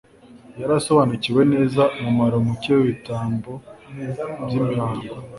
Yari asobanukiwe neza umumaro muke w'ibitambo by'imihango